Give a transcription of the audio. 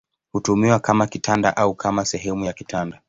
Hutumiwa kama kitanda au kama sehemu ya kitanda.